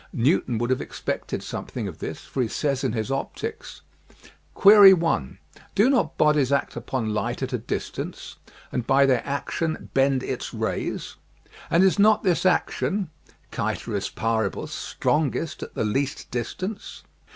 Newton would have expected something of this, for he says in his Opticks: * Query i. — Do not Bodies act upon Light at a dis tance, and by their action bend its Rays, and is not this action {caeteris paribus) strongest at the least distance?